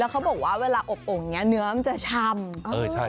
แล้วเขาบอกว่าเวลาอบอ่งเนื้อมันจะฉ่ำ